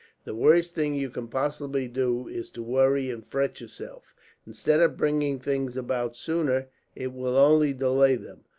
The worst thing you can possibly do is to worry and fret yourself. Instead of bringing things about sooner, it will only delay them.